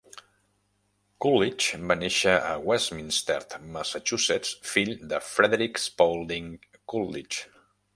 Coolidge va néixer a Westminster, Massachusetts, fill de Frederick Spaulding Coolidge.